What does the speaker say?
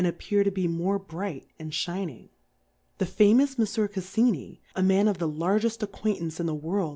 ap pear to be more bright and (hining : The famous . Monfieur Cajfmij a Man ofthelargeft Acquaintance in the World